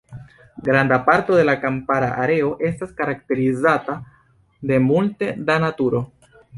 Granda parto de la kampara areo estas karakterizata de multe da naturo.